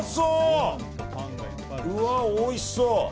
うわ、おいしそう。